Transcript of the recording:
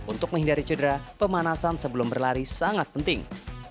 untuk menghindari cedera pemanasan sebelum berlari sangat penting